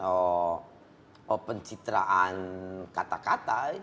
or pencitraan kata kata